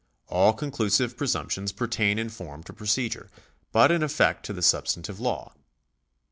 All conclusive presumptions pertain in form to procedure, but in effect to the substantive law.